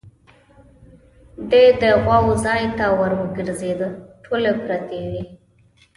دی د غواوو ځای ته ور وګرځېد، ټولې پرتې وې.